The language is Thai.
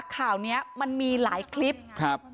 ข่าวนี้มันมีหลายคลิปครับ